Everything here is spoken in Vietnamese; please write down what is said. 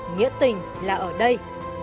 nghĩa tình là ở đây